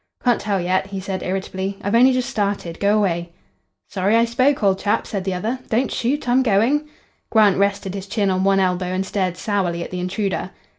"Can't tell yet," he said irritably. "I've only just started. Go away." "Sorry I spoke, old chap," said the other. "Don't shoot; I'm going." Grant rested his chin on one elbow and stared sourly at the intruder.